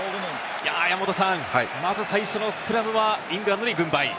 まず最初のスクラムはイングランドに軍配。